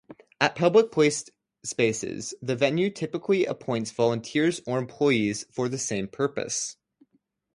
At public playspaces, the venue typically appoints volunteers or employees for the same purpose.